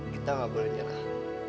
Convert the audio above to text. kita nggak boleh nyerah